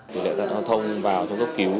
tỷ lệ tai nạn giao thông vào trong cấp cứu